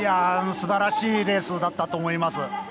すばらしいレースだったと思います。